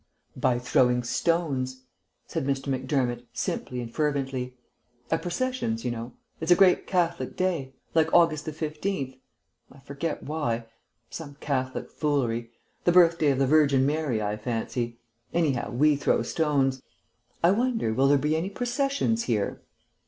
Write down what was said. "By throwing stones," said Mr. Macdermott, simply and fervently. "At processions, you know. It's a great Catholic day like August 15th I forget why. Some Catholic foolery. The birthday of the Virgin Mary, I fancy. Anyhow we throw stones.... I wonder will there be any processions here?"